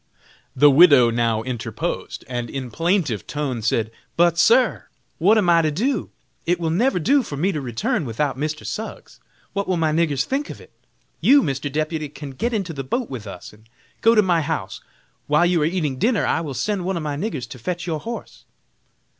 The widow now interposed, and in plaintive tone said, "But, sir, what am I to do? It will never do for me to return without Mr. Suggs; what will my niggers think of it? You, Mr. Deputy, can get into the boat with us and go to my house; while you are eating dinner I will send one of my niggers to fetch your horse."